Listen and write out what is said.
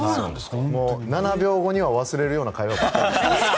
７秒後には忘れるような会話ばっかり。